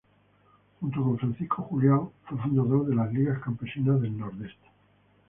Junto con Francisco Julião fue fundador de las 'Ligas Campesinas del Nordeste'.